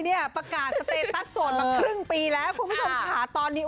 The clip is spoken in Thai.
ถ้าเช่นนั้นประกาศเตตตั้งโตทมาครึ่งปีแล้วคับใส่สวงขาตอนนี้